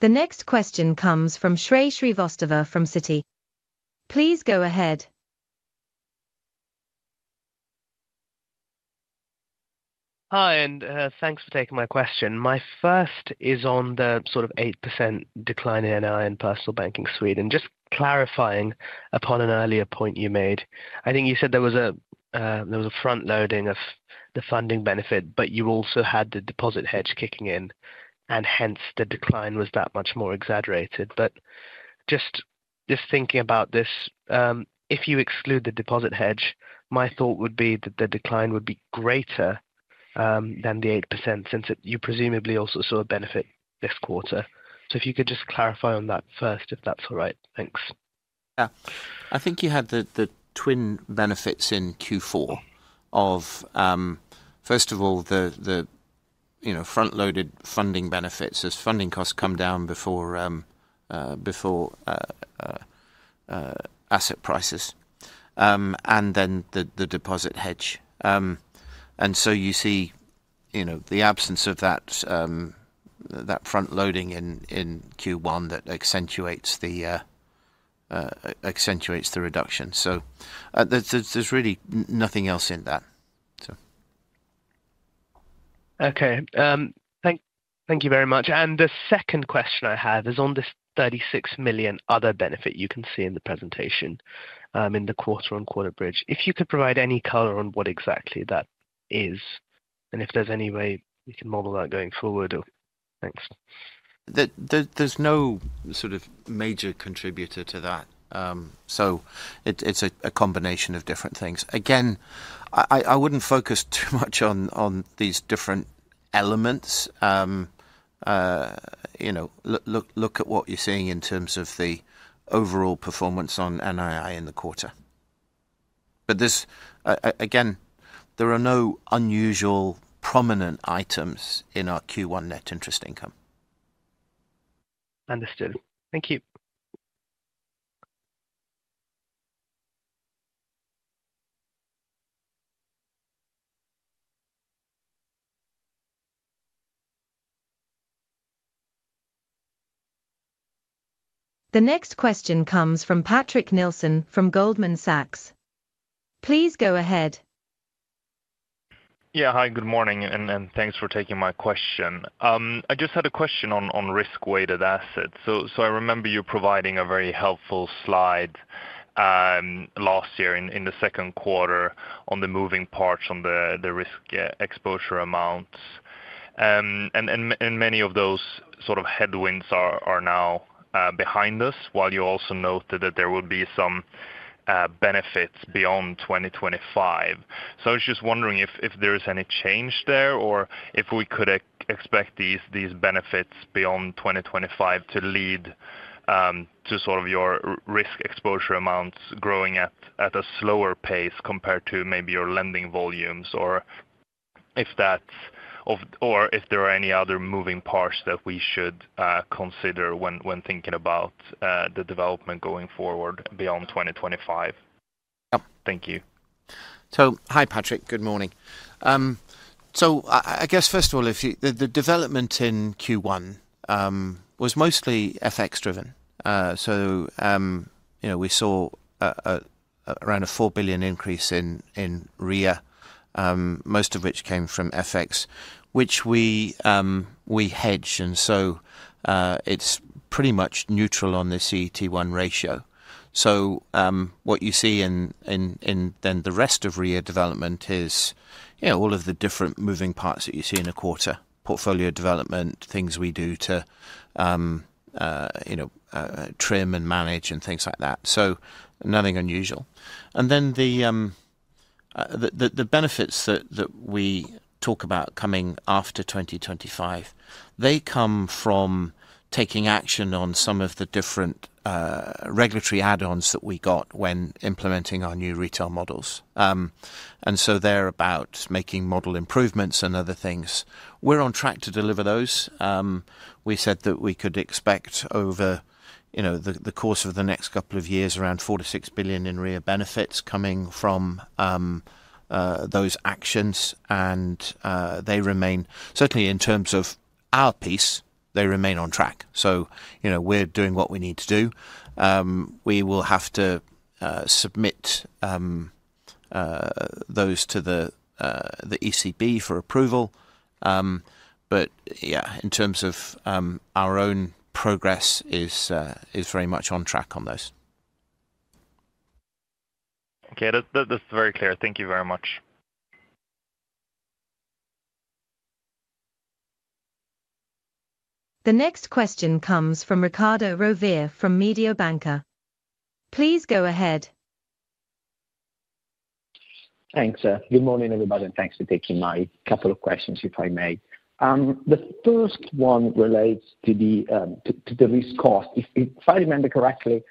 The next question comes from Shrey Srivastava from Citigroup. Please go ahead. Hi, and thanks for taking my question. My first is on the sort of 8% decline in NII in personal banking Sweden. Just clarifying upon an earlier point you made, I think you said there was a front-loading of the funding benefit, but you also had the deposit hedge kicking in, and hence the decline was that much more exaggerated. Just thinking about this, if you exclude the deposit hedge, my thought would be that the decline would be greater than the 8% since you presumably also saw a benefit this quarter. If you could just clarify on that first, if that's all right. Thanks. Yeah. I think you had the twin benefits in Q4 of, first of all, the front-loaded funding benefits as funding costs come down before asset prices, and then the deposit hedge. You see the absence of that front-loading in Q1 that accentuates the reduction. There is really nothing else in that. Thank you very much. The second question I have is on this 36 million other benefit you can see in the presentation in the quarter on quarter bridge. If you could provide any color on what exactly that is, and if there's any way we can model that going forward or thanks. There's no sort of major contributor to that. It is a combination of different things. Again, I wouldn't focus too much on these different elements. Look at what you're seeing in terms of the overall performance on NII in the quarter. Again, there are no unusual prominent items in our Q1 net interest income. Understood. Thank you. The next question comes from Patrick Nielsen from Goldman Sachs. Please go ahead. Yeah. Hi, good morning, and thanks for taking my question. I just had a question on risk-weighted assets. I remember you providing a very helpful slide last year in the second quarter on the moving parts on the risk exposure amounts. Many of those sort of headwinds are now behind us, while you also noted that there would be some benefits beyond 2025. I was just wondering if there is any change there or if we could expect these benefits beyond 2025 to lead to sort of your risk exposure amounts growing at a slower pace compared to maybe your lending volumes or if there are any other moving parts that we should consider when thinking about the development going forward beyond 2025. Thank you. Hi, Patrick. Good morning. I guess, first of all, the development in Q1 was mostly FX-driven. We saw around a 4 billion increase in REA, most of which came from FX, which we hedge. It is pretty much neutral on the CET1 ratio. What you see in the rest of REA development is all of the different moving parts that you see in a quarter, portfolio development, things we do to trim and manage and things like that. Nothing unusual. The benefits that we talk about coming after 2025 come from taking action on some of the different regulatory add-ons that we got when implementing our new retail models. They are about making model improvements and other things. We are on track to deliver those. We said that we could expect over the course of the next couple of years around 4 billion-6 billion in REA benefits coming from those actions. They remain, certainly in terms of our piece, on track. We are doing what we need to do. We will have to submit those to the ECB for approval. Yeah, in terms of our own progress, it's very much on track on those. Okay. That's very clear. Thank you very much. The next question comes from Riccardo Rovere from Mediobanca. Please go ahead. Thanks, sir. Good morning, everybody, and thanks for taking my couple of questions, if I may. The first one relates to the risk cost. If I remember correctly,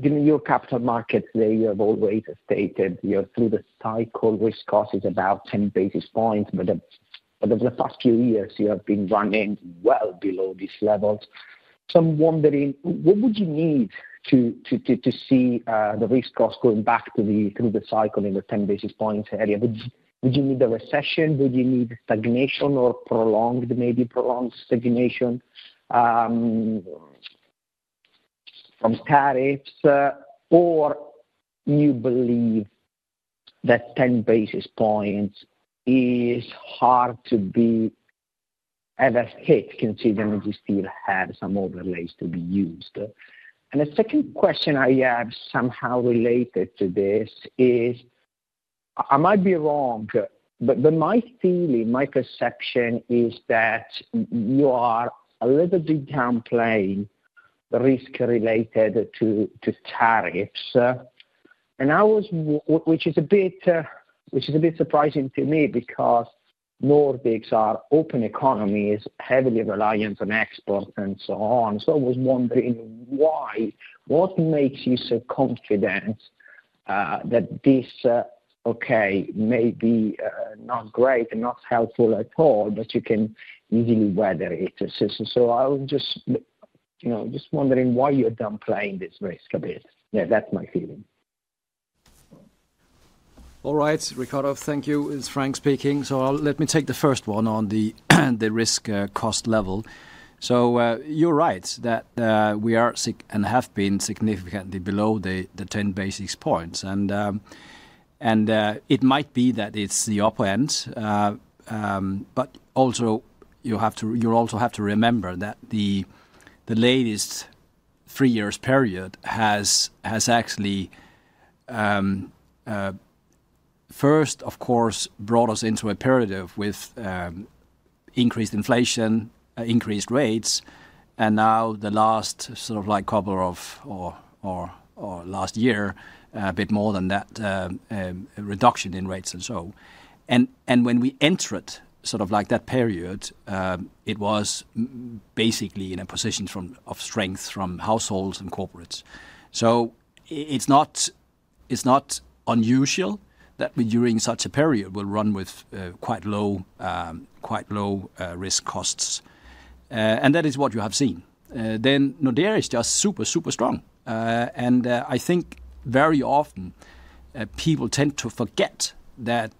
given your capital markets, they have always stated through the cycle, risk cost is about 10 basis points, but over the past few years, you have been running well below these levels. I'm wondering, what would you need to see the risk cost going back through the cycle in the 10 basis points area? Would you need a recession? Would you need stagnation or maybe prolonged stagnation from tariffs? You believe that 10 basis points is hard to be ever hit considering you still have some overlays to be used? The second question I have somehow related to this is, I might be wrong, but my feeling, my perception is that you are a little bit downplaying the risk related to tariffs, which is a bit surprising to me because Nordics are open economies, heavily reliant on exports and so on. I was wondering what makes you so confident that this, okay, may be not great and not helpful at all, but you can easily weather it? I was just wondering why you're downplaying this risk a bit. That's my feeling. All right, Riccardo, thank you. It's Frank speaking. Let me take the first one on the risk cost level. You are right that we are and have been significantly below the 10 basis points. It might be that it is the upper end, but you also have to remember that the latest three-year period has actually, first, of course, brought us into a period with increased inflation, increased rates, and now the last sort of couple of or last year, a bit more than that, reduction in rates and so. When we entered sort of that period, it was basically in a position of strength from households and corporates. It is not unusual that during such a period we will run with quite low risk costs. That is what you have seen. Nordea is just super, super strong. I think very often, people tend to forget that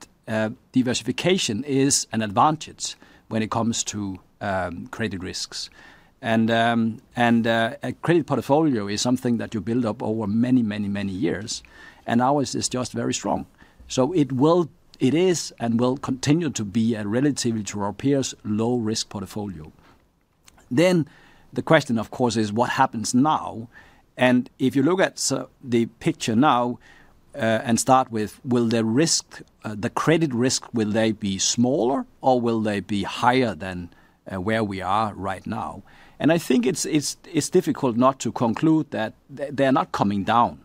diversification is an advantage when it comes to credit risks. A credit portfolio is something that you build up over many, many, many years, and ours is just very strong. It is and will continue to be a relatively to our peers low-risk portfolio. The question, of course, is what happens now? If you look at the picture now and start with, will the credit risk, will they be smaller or will they be higher than where we are right now? I think it's difficult not to conclude that they're not coming down.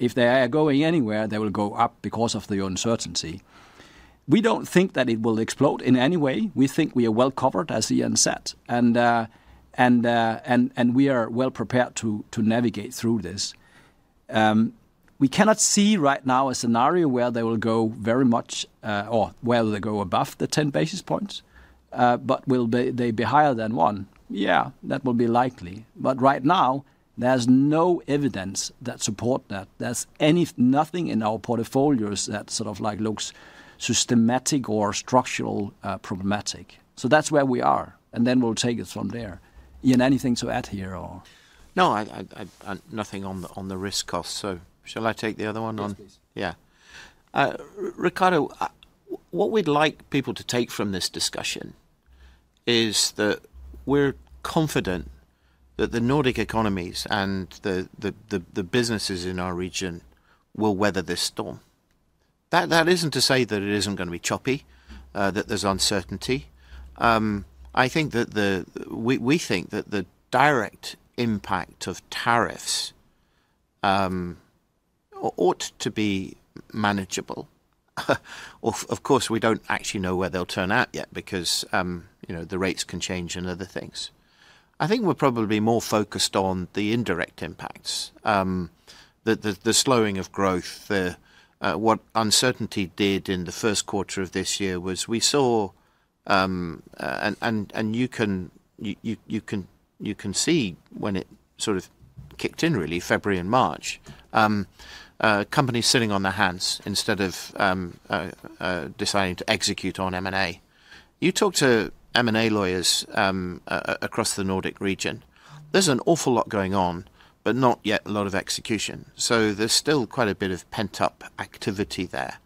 If they are going anywhere, they will go up because of the uncertainty. We don't think that it will explode in any way. We think we are well covered, as Ian said, and we are well prepared to navigate through this. We cannot see right now a scenario where they will go very much or where they go above the 10 basis points, but will they be higher than one? Yeah, that will be likely. Right now, there's no evidence that supports that. There's nothing in our portfolios that sort of looks systematic or structural problematic. That is where we are. We will take it from there. Ian, anything to add here or? No, nothing on the risk costs. Shall I take the other one on? Yes, please. Riccardo, what we'd like people to take from this discussion is that we're confident that the Nordic economies and the businesses in our region will weather this storm. That isn't to say that it isn't going to be choppy, that there's uncertainty. I think that we think that the direct impact of tariffs ought to be manageable. Of course, we don't actually know where they'll turn out yet because the rates can change and other things. I think we're probably more focused on the indirect impacts, the slowing of growth. What uncertainty did in the first quarter of this year was we saw, and you can see when it sort of kicked in, really, February and March, companies sitting on their hands instead of deciding to execute on M&A. You talk to M&A lawyers across the Nordic region. There's an awful lot going on, but not yet a lot of execution. There is still quite a bit of pent-up activity there.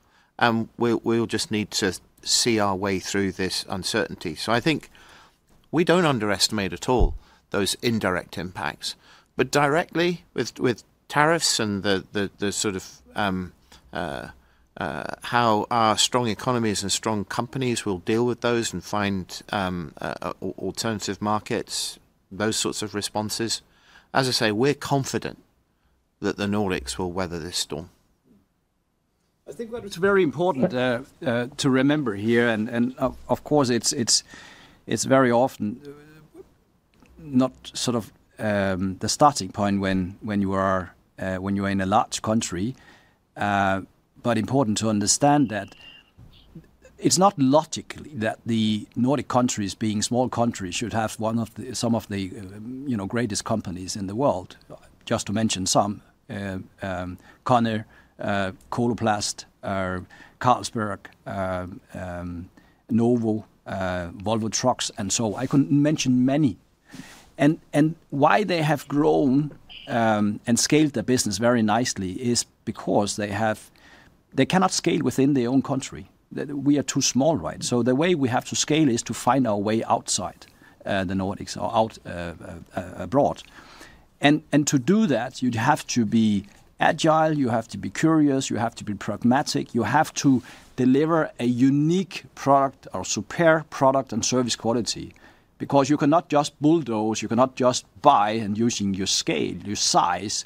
We just need to see our way through this uncertainty. I think we don't underestimate at all those indirect impacts. Directly, with tariffs and the sort of how our strong economies and strong companies will deal with those and find alternative markets, those sorts of responses, as I say, we're confident that the Nordics will weather this storm. I think that it's very important to remember here. Of course, it's very often not sort of the starting point when you are in a large country, but important to understand that it's not logically that the Nordic countries, being small countries, should have some of the greatest companies in the world, just to mention some: Kone, Coloplast, Carlsberg, Novo Nordisk, Volvo Trucks, and so on. I could mention many. Why they have grown and scaled their business very nicely is because they cannot scale within their own country. We are too small, right? The way we have to scale is to find our way outside the Nordics or abroad. To do that, you'd have to be agile, you have to be curious, you have to be pragmatic, you have to deliver a unique product or superior product and service quality because you cannot just bulldoze, you cannot just buy and use your scale, your size,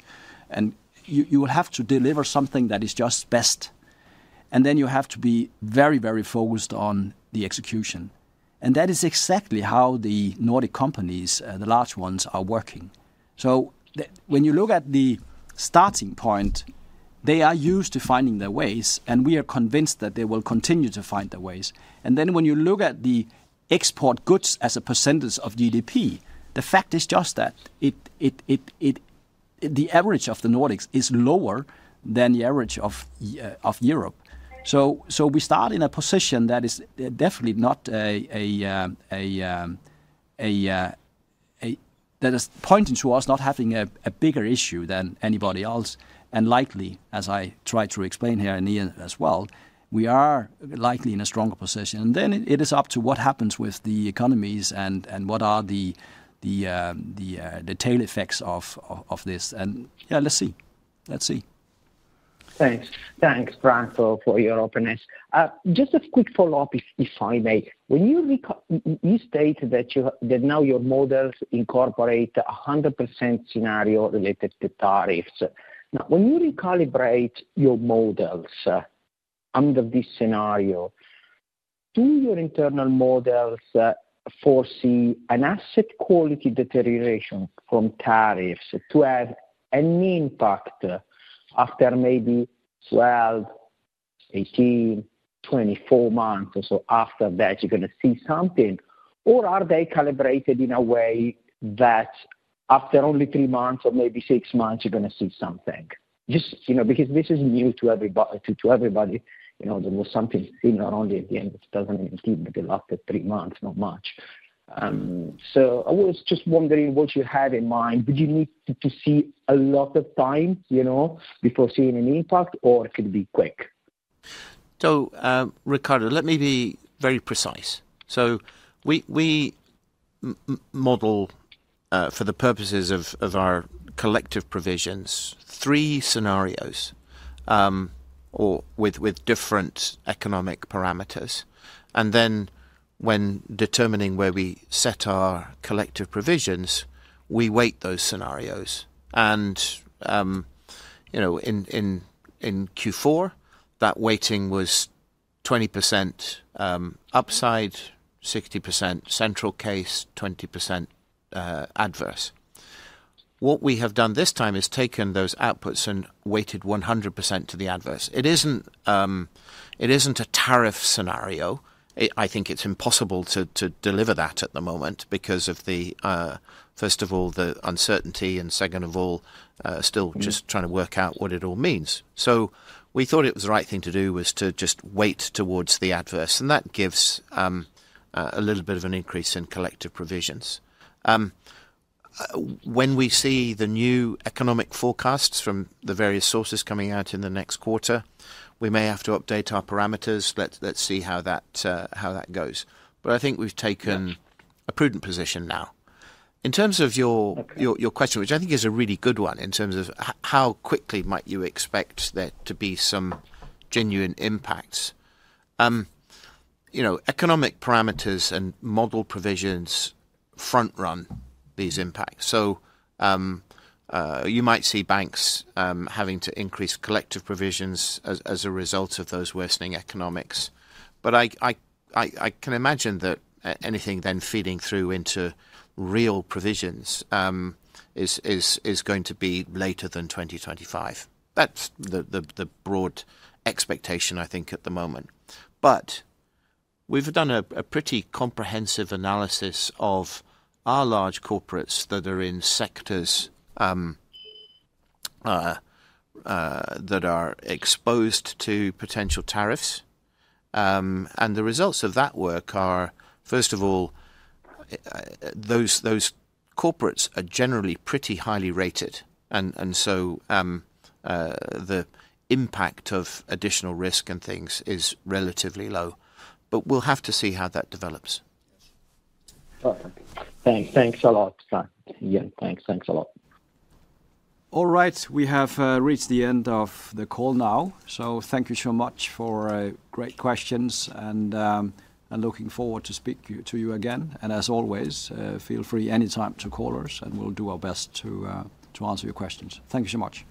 and you will have to deliver something that is just best. You have to be very, very focused on the execution. That is exactly how the Nordic companies, the large ones, are working. When you look at the starting point, they are used to finding their ways, and we are convinced that they will continue to find their ways. When you look at the export goods as a percentage of GDP, the fact is just that the average of the Nordics is lower than the average of Europe. We start in a position that is definitely not a that is pointing to us not having a bigger issue than anybody else. Likely, as I try to explain here and Ian as well, we are likely in a stronger position. It is up to what happens with the economies and what are the tail effects of this. Yeah, let's see. Let's see. Thanks. Thanks, Frank, for your openness. Just a quick follow-up, if I may. You stated that now your models incorporate a 100% scenario related to tariffs. Now, when you recalibrate your models under this scenario, do your internal models foresee an asset quality deterioration from tariffs to have an impact after maybe 12, 18, 24 months or so after that you're going to see something? Or are they calibrated in a way that after only three months or maybe six months, you're going to see something? Just because this is new to everybody, there was something similar only at the end of 2018, but the last three months, not much. I was just wondering what you had in mind. Did you need to see a lot of time before seeing an impact, or could it be quick? Riccardo, let me be very precise. We model, for the purposes of our collective provisions, three scenarios with different economic parameters. When determining where we set our collective provisions, we weight those scenarios. In Q4, that weighting was 20% upside, 60% central case, 20% adverse. What we have done this time is taken those outputs and weighted 100% to the adverse. It is not a tariff scenario. I think it is impossible to deliver that at the moment because of, first of all, the uncertainty and, second of all, still just trying to work out what it all means. We thought it was the right thing to do to just weight towards the adverse. That gives a little bit of an increase in collective provisions. When we see the new economic forecasts from the various sources coming out in the next quarter, we may have to update our parameters. Let's see how that goes. I think we have taken a prudent position now. In terms of your question, which I think is a really good one in terms of how quickly might you expect there to be some genuine impacts, economic parameters and model provisions front-run these impacts. You might see banks having to increase collective provisions as a result of those worsening economics. I can imagine that anything then feeding through into real provisions is going to be later than 2025. That is the broad expectation, I think, at the moment. We have done a pretty comprehensive analysis of our large corporates that are in sectors that are exposed to potential tariffs. The results of that work are, first of all, those corporates are generally pretty highly rated. The impact of additional risk and things is relatively low. We will have to see how that develops. Thanks. Thanks a lot, Frank. Yeah, thanks. Thanks a lot. All right. We have reached the end of the call now. Thank you so much for great questions. I am looking forward to speaking to you again. As always, feel free anytime to call us, and we will do our best to answer your questions. Thank you so much.